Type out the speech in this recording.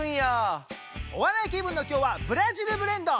お笑い気分の今日はブラジル・ブレンド！